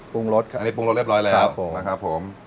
ปรุงรสครับครับผมอันนี้ปรุงรสเรียบร้อยแล้วนะครับผม